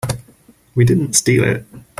We didn't steal it.